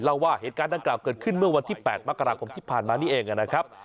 เล่าว่าเหตุการณ์ดังกล่าวเกิดขึ้นเมื่อวันที่๘มกราคมที่ผ่านมานี่เองนะครับ